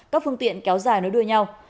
các phương tiện kéo dài nối đuôi nhau